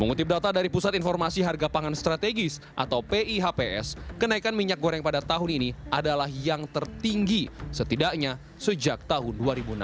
mengutip data dari pusat informasi harga pangan strategis atau pihps kenaikan minyak goreng pada tahun ini adalah yang tertinggi setidaknya sejak tahun dua ribu enam belas